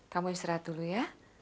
kamu istirahat dulu ya